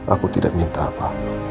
aku tidak minta apa